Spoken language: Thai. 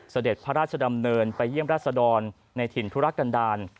เสด็จพระราชดำเนินไปเยี่ยมราชดรในถิ่นธุรกันดาล